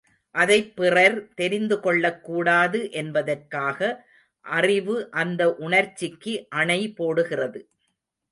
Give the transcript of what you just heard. அதைப் பிறர் தெரிந்துகொள்ளக் கூடாது என்பதற்காக அறிவு அந்த உணர்ச்சிக்கு அணை போடுகிறது.